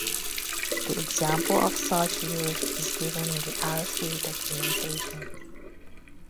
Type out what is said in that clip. The example of such use is given in the rc documentation.